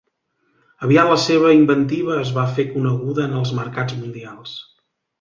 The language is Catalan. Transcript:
Aviat la seva inventiva es va fer coneguda en els mercats mundials.